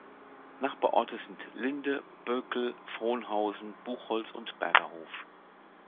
Nachbarorte sind Linde, Böckel, Frohnhausen, Buchholz und Bergerhof.